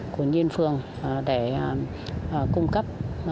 của nhiên phường để cung cấp